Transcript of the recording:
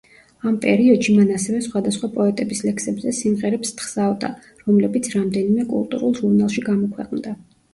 ამ პერიოდში, მან ასევე სხვადასხვა პოეტების ლექსებზე სიმღერებს თხზავდა, რომლებიც რამდენიმე კულტურულ ჟურნალში გამოქვეყნდა.